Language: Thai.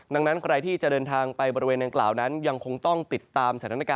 ดังนั้นใครก็ต้องติดตามจะติดตาม